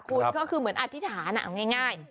คุณก็คือเหมือนอธิษฐานเอาง่าย